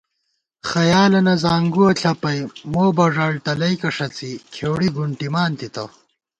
خیالَنہ زانگُوَہ ݪَپَئ مو بݫاڑ تلَئیکہ ݭڅی کھېؤڑی گُونٹِمان تِتہ